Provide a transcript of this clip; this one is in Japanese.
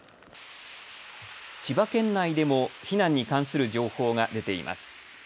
千葉県内でも避難に関する情報が出ています。